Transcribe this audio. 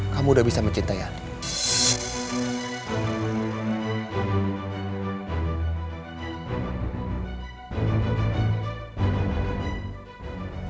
kamu udah bisa mencintai anak